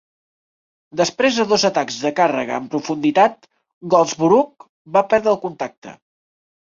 Després de dos atacs de càrrega en profunditat, Goldsborough va perdre el contacte.